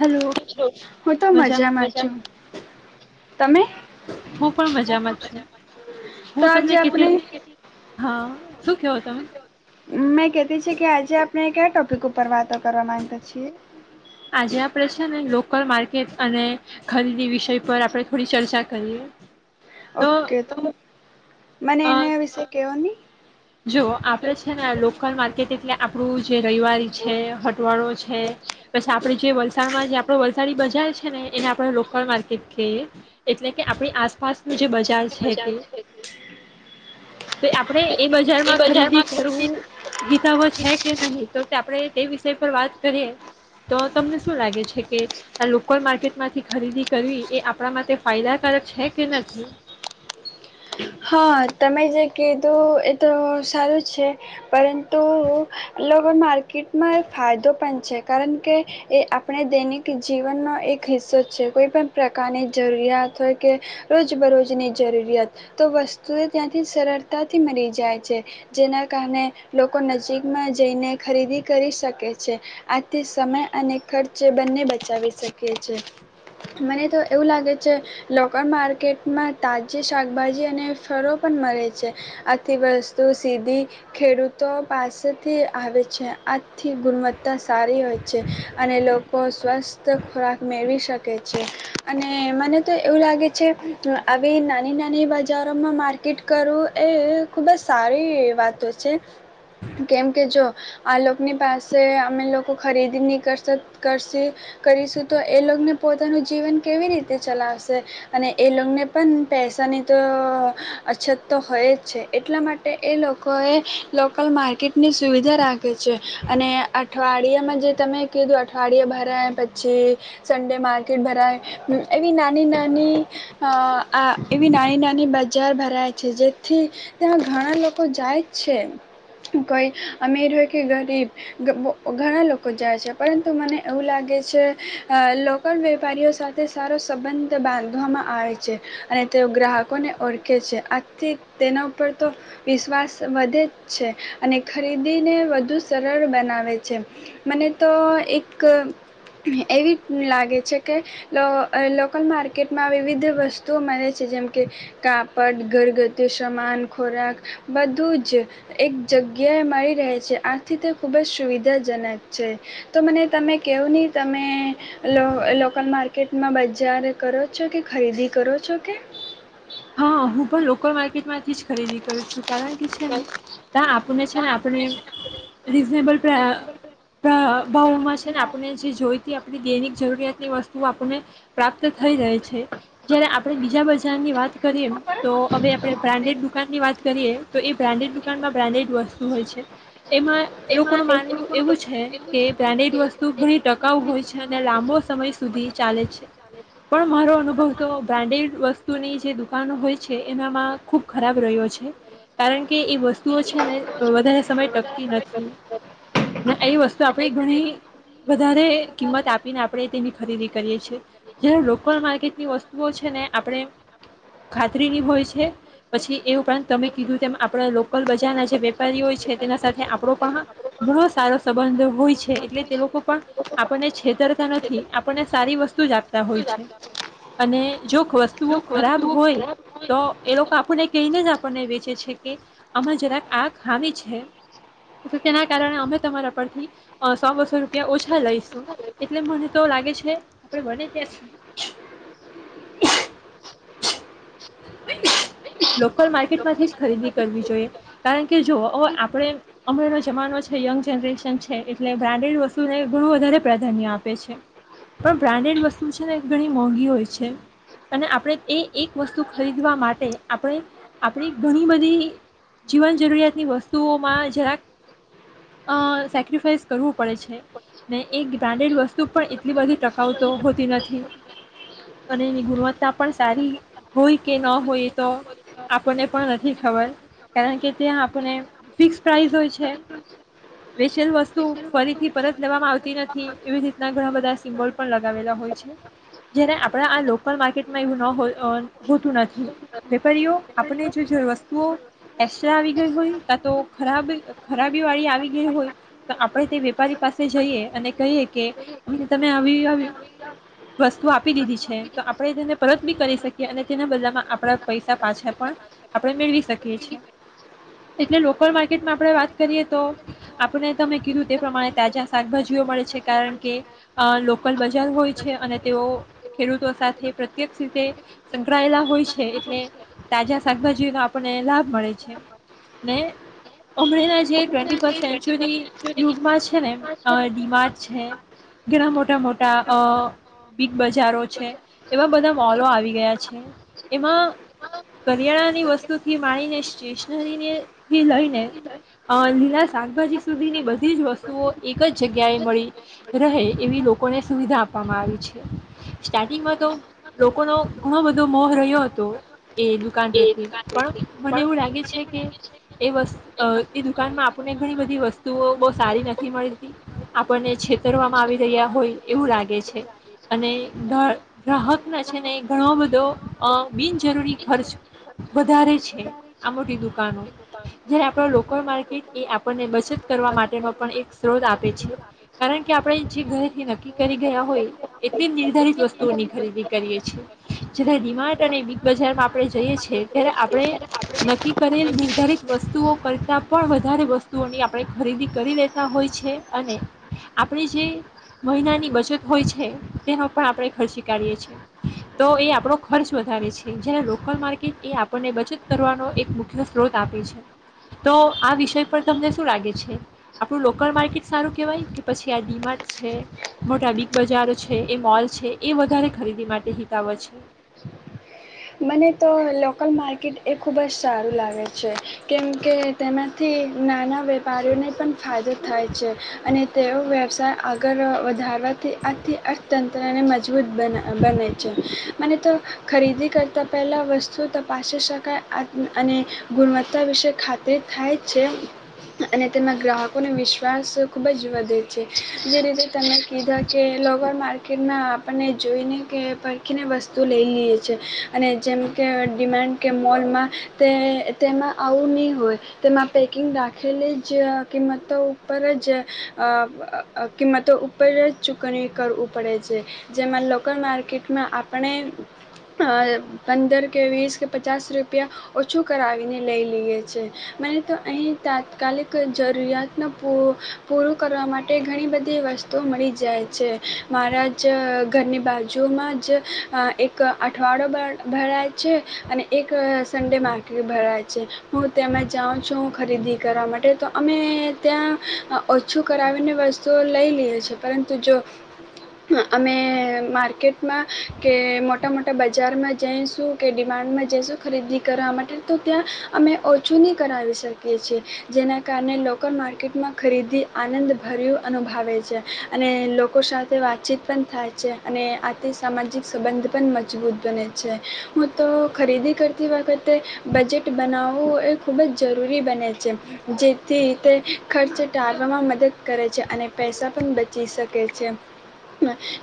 Hello હું તો મજામાં છું. તમે? હું પણ મજામાં જ છું તો હું આજે તમને કેટલીક આપણે- હા શું કહો તમે મેં કેટી છે કે આજે આપણે કયા ટોપિક ઉપર વાતો કરવા માંગતા છીએ! આજે આપડે છે ને લોકલ માર્કેટ અને ખરીદી વિષય. પર આપણે થોડી ચર્ચા કરીએ તો. મને અ, એના વિશે કેવો ની. જો આપડે છે ને લોકલ માર્કેટ એટલે આપણું જે રવિવારી છે, હટવાળો છે પછી આપડે જે વલસાડમા આપ વલસાડી બજાર છે ને એને આપણે લોકલ માર્કેટ કેયે, એટલે કે આપણી આસપાસ જે બજાર છે તે તો આપણેે બજારમાં ખરીદી કરવું હિતાવ છે કે નહી તો આપણે તે વિશે? વાત કરીએ તો તમને શું લાગે છે કે આ લોકલ માર્કેટમાંથી ખરીદી કરવી એ આપણા માટે ફાયદાકારક છે કે નથી? હા તમે જે કીધું એ તો સારું છે પર તો લોક પણ માર્કેટમાં ફાયદો પણ છે કારણ કે એ આપણે દૈનિક જીવનનો એક હિસ્સો છે કોઈ પણ પ્રકારની જરૂરિયાત હોય કે રોજ બરોજની જરૂરિયાત તો વસ્તુએ ત્યાંથી સરળતાથી મળી જાય છે જેના કારણે લોકો નજીકમાં જઈને ખરીદી કરી શકે છે. આથી સમય અને ખર્ચે બંને બચાવી શકે છે મને તો એવું લાગે છે લોકલ માર્કેટમાં તાજી શાકભાજી ને ફરો પણ મળે છે આથી વસ્તુ સીધી ખેડૂતો પાસે થી આવે છે આથી ગુણવત્તા સારી હોય છે અને લોકો સ્વસ્થ ખોરાક મેળવી શકે છે અને મને તો એવું લાગે છે આવી નાની-નાની બાજુ બજારોમાં માર્કેટ કરવું એ ખૂબ જ સારી વાતો છે. કેમકે જો આ લોકોની પાસે અમે લોકો ખરીદી ની કરશું કરશી કરીશું તો એ લોકોને પોતાનું જીવન કેવી રીતે ચલાવશે અને એ લોકોને પણ પેસાની તો અછત તો હોય જ છે એટલા માટે એ લોકોએ લોકલ માર્કેટની સુવિધા રાખે છે અને અઠવાડિયામાં જે તમે કીધું અઠવાડિયા ભરાય પછી સન્ડે માર્કેટ ભરાય એવી નાની-નાની અ આ એવી ના નાની નાની બજાર ભરાય છે જેથી ત્યાં ઘણા લોકો જાય જ છે કોઈ અમીર હોય કે ગરીબ ઘણા લોકો જાય છે પરંતુ મને એવું લાગે છે. અ લોકલ વેપારીઓ સાથે સારો સંબંધ બાંધવામાં આવે છે અને તેઓ ગ્રાહક લોકોને ઓળખે છે આથી તેના ઉપર તો વિશ્વાસ વધે જ છે અને ખરીદીને વધુ સરળ બનાવે છે મને તો એક એવી લાગે છે કે લો લોકલ માર્કેટમાં વિવિધ વસ્તુઓ મળે છે જેમ કે કાપડ ઘરગથું સમાન ખોરાક બધું જ એક જગ્યાએ મળી રહે છે. આથી તે ખૂબ જ સુવિધાજનક છે તો મને તમે કેવો ની તમે લો લોકલ માર્કેટમાં બજાર કરો છો કે ખરીદી કરો છો કે. હા હું પણ લોકલ માર્કેટમાંથી જ ખરીદી કરું છું કારણ કે છે ને તા આપણને છે ને આપણે રીઝનેબલ પ્રાઈ પ્રા ભાવમાં છે ને આપને જે જોઈતી દૈનિક જરૂરિયાતની વસ્તુઓ આપણને પ્રાપ્ત થઈ રહે છે. જય્યારે આપણે બીજા બજા ધન્યવાદ. કેમ તો હવે આપણે બ્રાન્ડેડ દુકાનની વાત કરીએ તો એ બ્રાન્ડેડ દુકાનમાં બ્રાન્ડેડ વસ્તુ હોય છે એમાં એ લોકોનું માનવું એવું છે કે બ્રાન્ડેડ વસ્તુ ઘણી ટકાઉ હોય છે અને લાંબો સમય સુધી ચાલે છે પણ મારો અનુભવ તો બ્રાન્ડેડ વસ્ જૂની છે દુ પાન હોય છે એનામાં. ખૂબ ખરાબ રહ્યો છે કારણ કે એ વસ્તુઓ છે ને વધારે સમય ટકતી નથી એ વસ્તુ આપણે ઘણી વધારે કિંમત આપીને આપણે તેની ખરીદી કરીએ છીએ જારે લોકલ માર્કેટની વસ્તુઓ છે ને આપડે ખાતરીની હોય છે. પછી એ ઉપરાંત તમે કીધું તેમ આપડા લોકલ બજાર ના જે વેપારીઓ હોય છે. તેના સાથે આપણો પણ ઘણો સારો સંબંધ હોય છે એટલે તે લોકો પણ આપણને છેતરતા નથી આપણને સારી વસ્તુ જાગ હોય છે અને જો વસ્તુઓ ખરાબ હોય તો એ લોકો આપણને કહીને જ આપણને વેચે છે કે અમે જરાક આ ખામી છે તો તેના કારણે અમે તમારા પરથી સો બસો રૂપિયા ઓછા લઈશું એટલે મને તો લાગે છે આપણે બને ત્યાં સુધી લોકલ માર્કેટમાંથી જ ખરીદી કરવી જોઈએ કારણ કે જો આપણે હમણાનો જમાનો છે યંગ જનરેશન છે એટલે બ્રાન્ડેડ વસ્તુને ઘણ વધારે પ્રાધાન્ય આપે છે પણ બ્રાન્ડેડ વસ્તુ છે ને ઘણી મોંઘી હોય છે અને આપણે એ એક વસ્તુ ખરીદવા માટે આપણે આપણી ઘણી બધી જીવન જરૂરિયાતની વસ્તુઓમાં જરાક સેક્રિફાઈસ કરવું પડે છે ને એ બ્રાન્ડેડ વસ્તુ પણ એટલી બધી ટકાવતો હોતી નથી અને એની ગુણવત્તા પણ સારી હોય કે ન હોય એ તો આપણને પણ નથી ખબર કારણ કે ત્યાં આપણને ફિક્સ પ્રાઇસ હોય છે વેચેલ વસ્તુ ફરીથી પરત લેવામાં આવતી નથી એવી રીતના ઘણા બધા સિમ્બોલ પણ લગાવેલા હોય છે જ્યારે આપણા આ લોકલ માર્કેટમાં એવું ન હો હોતું નથી વેપારીઓ આપણે જો જો વસ્તુઓ એસ્ટ્રા આવી ગઈ હોય કા તો ખરાબ ખરાબી વાળી આવી ગઈ હોય તો આપણે તે વેપારી પાસે જઈએ અને કહીએ કે અમને તમે આવી આવી વસ્તુ આપી દીધી છે તો આપણે તેને પરત બી કરી શકીએ અને તેના બદમાં આપણા પૈસા પાછા પણ આપણે મેળવી શકીએ છે એટલે લોકલ માર્કેટમાં આપણે વાત કરીએ તો આપને તમે કીધું તે પ્રમાણે તાજા શાકભાજીઓ મળે છે કારણ કે લોકલ બજાર હોય છે અને તેઓ ખેડૂતો સાથે પ્રત્યક્ષ રીતે સંકળાયેલા હોય છે એટલે તાજા શાકભાજીનો આપણને લાભ મળે છે ને ઉમરેના જે ટવેન્ટી ફર્સ્ટ સેન્ચુરી યુગમાં છે ને અ ડિમાર્ટ છે. ઘણા મોટા મોટા અ બિગ બજારો છે એવા બધા મોલો આવી ગયા છે એમાં કરિયાણાાની વસ્તુથી માંડીને સ્ટેશનરીની થી લઈને અ લીલા શાકભાજી સુધીની બધી જ વસ્તુઓ એક જ જગ્યાએ મળી રહે એવી લોકોને સુવિધા આપવામાં આવી છે. સ્ટાર્ટિંગમાં તો લોકોનો ઘણો બધો મોહ રહ્યો હતો એ કાન પ્રત્યે પણ મને એવું લાગે છે કે એ દુકાનમાં આપણને ઘણી બધી વસ્તુઓ બહુ સારી નથી મળતી આપણને છેતરવામાં આવી રહ્યા હોય એવું લાગે છે અને ગ્રાહક ના છે ને ઘણો બધો બિનજરૂરી ખર્ચ વધારે છે આ મોટી દુકાનો, જ્યારે આપણા લોકલ માર્કેટ એ આપણને બચત કરવા માટેનો પણ એક સ્ત્રોત આપે છે કારણ કે આપણે જે ઘરેથી નક્કી કરી ગયા હોય એટલી નિર્ધારિત વસ્તુઓની ખરીદી કરીએ છે. જ્યારે ડિમાર્ટ અને બિગ બજારમાં આપણે જઈએ છીએ ત્યારે આપણે નક્કી કરેલ નિર્ધારિત વસ્તુઓ કરતા પણ વધારે વસ્તુઓની આપણે ખરીદી કરી લેતા હોય છે અને આપણી જે મહિનાની બચત હોય છે તેનો પણ આપણે ખર્ચી કાઢીએ છે. તો એ આપણો ખર્ચ વધારે છે જ્યારે લોકલ માર્કેટ એ આપણને બચત કરવાનો એક મુખ્ય સ્ત્રોત આપે છે તો આ વિષય પર તમને શું લાગે છે આપણું લોકલ માર્કેટ સારું કહેવાય કે પછી આ ડીમાર્ટ છે મોટા બિગ બજારો છે એ મોલ છે એ વધારે ખરીદી માટે બરાબર છે. મને. તો લોકલ માર્કેટ એ ખૂબ જ સારું લાગે છે, કેમ કે તેમાંથી નાના વ્યા વેપારીઓને પણ ફાયદો થાય છે અને તેઓ વ્યવસાય આગળ વધારવાથી આથી અર્થતંત્રને મજ મજબૂત બ બને છે, મને તો ખરીદી કર વસ્તુ તપાસી શકાય, અને ગુણવત્તા વિશે ખાતરી થાય છે. અને તેમાં ગ્રાહકોનો વિશ્વાસ ખુબ જ વધે જે રીતે તમે કીધા કે, લોકલ માર્કેટમાં આપણને જોઈને કે, પરખીને વસ્તુ લઈ લઈએ છે. અને જેમ કે, ડિમાન્ડ કે મોલમાં તે તેમાં આવું નહીં હોય, તેમાં પેકિંગ રાખેલી જ કિંમતો ઉપર જ કિંમતો ઉપર જ ચૂકવણી કરવું પડે છે. જેમાં લોકલ માર્કેટમાં આપણે પંદર કે, વીસ કે, પચાસ રૂપિયા ઓછું કરાવીને લઈ લઈએ છે. મને તો અહીં તાત્કાલિક જરૂરિયાતનું પ પૂરું કરવા માટે ઘણી બધી વસ્તુઓ મળી જાય છે. મારા જ ઘરની બાજુ જેમાં જ એક અઠવાડો બ ભરાયા છે અને એક સન્ડે માર્કેટ ભરાયા છે હું તે્યામાં જાઉં છું. ખરીદી કરવા માટે તો અમે ત્યાં, ઓછું કરાવીને વસ્તુઓ લઈ લઈએ છીએ. પરંતુ, જો અમે માર્કેટમાં કે મોટા મોટા બજારમાં જઈશું કે ડી માર્ટમાં જઈશું. ખરીદી કરવા માટે તો ત્યાં, અમે ઓછું નહીં કરાવી શકીએ છીએ. જેના કારણે, લોકલ માર્કેટમાં ખરીદી આનંદભર્યું અનુભવે છે. અને લોકો સાથે વાતચીત પણ થાય છે. અને આથી સામાજિક સંબંધ પણ મજબૂત બને છે. હું તો ખરીદી કરતી વખતે બજેટ બનાવવું એ ખૂબ જ જરૂરી બને છે. જેથી તે ખર્ચ ટાળવામાં મદદ કરે છે. અને પૈસા પણ બચી શકે છે.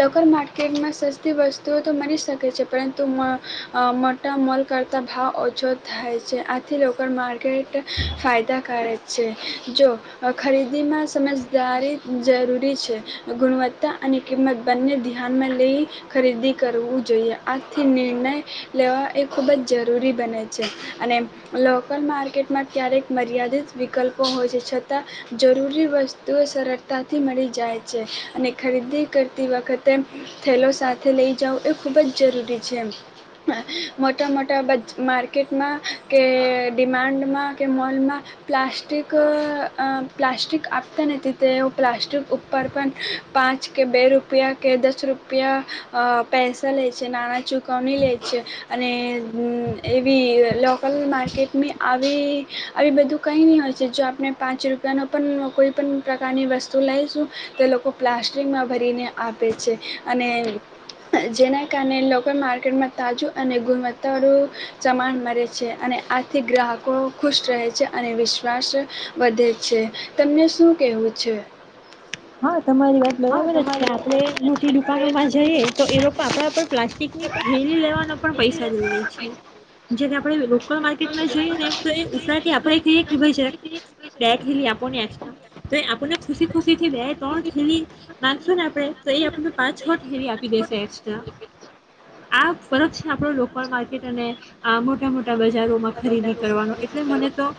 લોકર માર્કેટમાં સસ્તી વસ્તુઓ તો મળરી શકે છે. પરંતુ, તો મોટા મોલ કરતાં ભાવ ઓછો થાય છે. આથી લોકો માર્કેટ ફાયદાકારક છે જો ખરીદીમાં સમજદારી જરૂરી છે. ગુણવત્તા અને કિંમત બંને ધ્યાનમાં લઈ ખરીદી કરવું જોઈએ આ થી નિર્ણય લેવા એ ખૂબ જ જરૂરી બને છે. અને લોકલ માર્કેટમાં ક્યારેક મર્યાદિત વિકલ્પો હોય છે. છતાં, જરૂરી વસ્તુઓ સરળતાથી મળી જાય છે. અને ખરીદી કરતી વખતે થેલો સાથે લઈ જવ એ ખૂબ જ જરૂરી છે. છે. મોટા-મોટા માર્કેટમાં કે, ડિમાન્ડમાં કે, મોલમાં પ્લાસ્ટિક પ્લાસ્ટિક આપતા નથી. તે પ્લાસ્ટિક ઉપર પણ પાંચ કે બે રૂપિયા કે દસ રૂપિયા પૈસા લે છે. નાના ચૂકવણી લે છે. અને એવી લોકલ માર્કેટમાં આવી આવી બધું કંઈ નહીં હોય છે. જો આપણે પાંચ રૂપિયાનો પણ કોઈપ પ્રકારની વસ્તુ લઈશું. તો લોકો પ્લાસ્ટિકમાં ભરીને આપે છે. અને જેના કારણે લોકો માર્કેટમાં તાજું અને ગુણવત્તાનું સમાન મળે છે. અને આથી ગ્રાહકો ખુશ રહે છે અને વિશ્વાસ વધે છે તમને શું કેહેવું છે. હા, તમારી વાત બરાબર જ છે. આપડણે મોટી દુકાનો માં જઈએ, તો એ લોકો આપડા પણ પ્લાસ્ટિક થેલી લેવા પણ પૈસાઈ લઈ લે છે. જેને આપણે લોકલ માર્કેટમાં જઈએ, ને તો ઉપરા આપણે કહીએ, જરાક બે થેલી આપોને એક્સ્ટ્રા તો આપણને ખુશી-ખુશ બે ત્રણ થેલી માંગશુ, ને આપણે તો એ આપણને પાંચ છ થેલી આપી દેશે એસ્ટ્રા આ ફરક છે. આપણા લોકલ માર્કેટ અને મોટા-મોટા બજારોમાં ખરીદી કરવાનો એટલે મને તો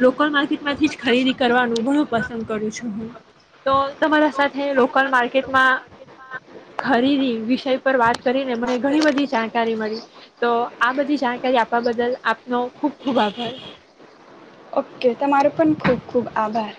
લોકલ માર્કેટમાંથી જ ખરીદી કરવાનું ઘણું પસંદ કરું છું, હું તો, તમારા સાથે લોકલ માર્કેટમાં ખરીદી વિષય પર વાત કરીને મને ઘણી બધી જાણકારી મળી, તો આ બધી જાણકારી. આપવા બદલ આપનો ખુબ-ખુબ આભાર. ઓકે, તમારો પણ ખૂબ-ખૂબ આભાર.